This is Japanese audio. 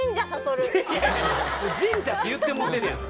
「神社」って言うてもうてるやん。